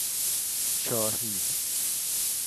چاهی